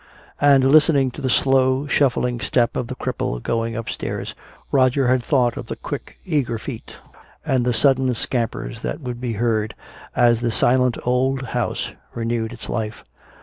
And listening to the slow shuffling step of the cripple going upstairs, Roger had thought of the quick eager feet and the sudden scampers that would be heard as the silent old house renewed its life.